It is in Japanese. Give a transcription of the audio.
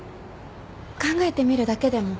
考えてみるだけでも。